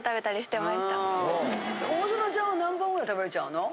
大園ちゃんは何本ぐらい食べれちゃうの？